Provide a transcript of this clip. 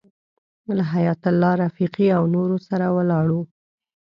له حیایت الله رفیقي او نورو سره ولاړو.